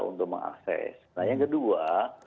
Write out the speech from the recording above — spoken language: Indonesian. untuk mengakses nah yang kedua